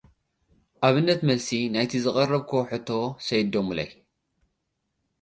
ኣብነት መልሲ ናይቲ ዘቕረብክዎ ሕቶ ሰዲዶሙለይ።